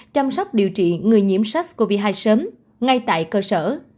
chăm sóc điều trị người nhiễm sars cov hai sớm ngay tại cơ sở